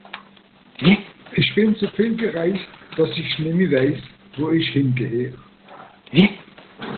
Isch bin so viel gereist, dass i nemme weiss, wo isch hingehöre